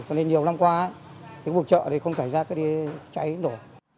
cho nên nhiều năm qua những vùng chợ không xảy ra cháy đổ